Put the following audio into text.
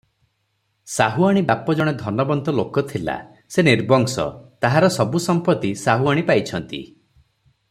ସାହୁଆଣୀ ବାପ ଜଣେ ଧନବନ୍ତ ଲୋକ ଥିଲା - ସେ ନିର୍ବଂଶ, ତାହାର ସବୁ ସମ୍ପତ୍ତି ସାହୁଆଣୀ ପାଇଛନ୍ତି ।